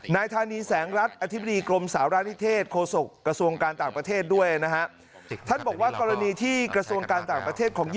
นายธานีแสงรักษ์อธิบดีกรมสาราชนิทร